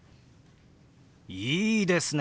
いいですね！